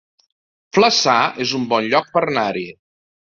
Flaçà es un bon lloc per anar-hi